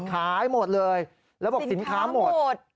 ขายหมดเลยแล้วบอกสินค้าหมด